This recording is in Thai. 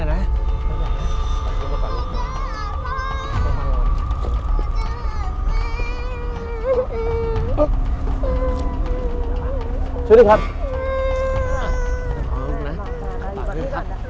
หนูจะหาพ่อหนูจะหาแม่